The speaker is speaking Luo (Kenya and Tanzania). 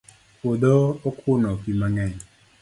puodho okuno pi mangeny